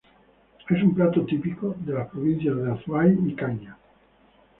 Es un plato típico de las provincias de Azuay y Cañar.